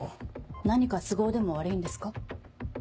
何か都合でも悪いんですか？